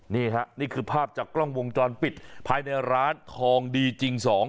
นี่ค่ะนี่คือภาพจากกล้องวงจรปิดภายในร้านทองดีจริง๒